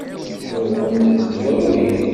Tuɣem-d dwawi?